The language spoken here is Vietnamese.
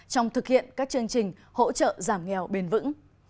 trong thực hiện các chương trình hỗ trợ giảm nghèo bền vững